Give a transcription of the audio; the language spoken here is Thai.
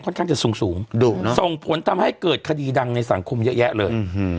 ข้างจะสูงส่งผลทำให้เกิดคดีดังในสังคมเยอะแยะเลย